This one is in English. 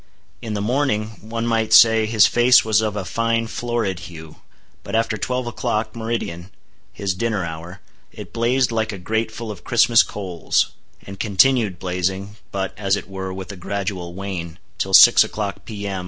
In the morning, one might say, his face was of a fine florid hue, but after twelve o'clock, meridian—his dinner hour—it blazed like a grate full of Christmas coals; and continued blazing—but, as it were, with a gradual wane—till 6 o'clock, P.M.